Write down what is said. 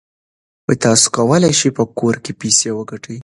تاسو کولای شئ په کور کې پیسې وګټئ.